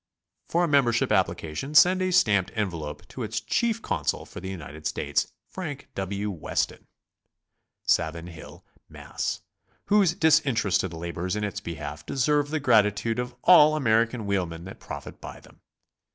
For a membership application send a stamped envelope to its Chief Consul for the LTnited States, Frank W. Weston, Savin Hill, Mass., whose disinterested labors in its behalf deserve the gratitude of all American w'heelmen that profit by them.